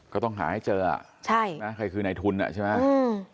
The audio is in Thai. ก็ต้องหาให้เจออ่ะใช่ไหมใครคือในทุนอ่ะใช่ไหมอืม